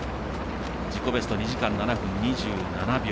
自己ベスト２時間７分２７秒。